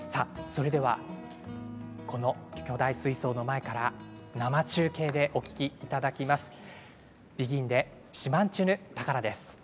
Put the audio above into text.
それでは、この巨大水槽の前から生中継でお聴きいただきます。